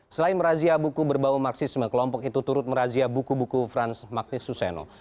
selain merazia buku berbau marxisme kelompok itu turut merazia buku buku franz magnes suseno